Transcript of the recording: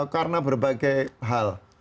karena berbagai hal